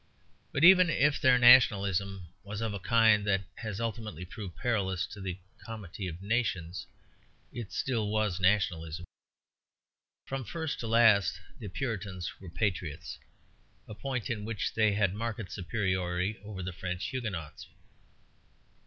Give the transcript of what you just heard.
But even if their nationalism was of a kind that has ultimately proved perilous to the comity of nations, it still was nationalism. From first to last the Puritans were patriots, a point in which they had a marked superiority over the French Huguenots.